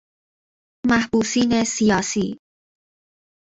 محبوسین سیاسی